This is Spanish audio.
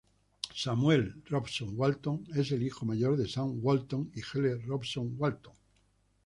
Samuel Robson Walton es el hijo mayor de Sam Walton y Helen Robson Walton.